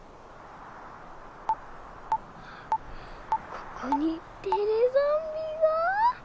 ここにテレゾンビが！